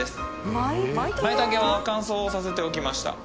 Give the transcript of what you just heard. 舞茸は乾燥させておきました。